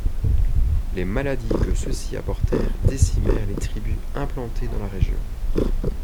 Les maladies que ceux-ci apportèrent décimèrent les tribus implantées dans la région.